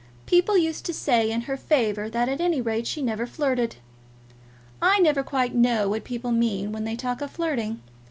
People used to say in her favour that at any rate she never flirted. I never quite know what people mean when they talk of flirting.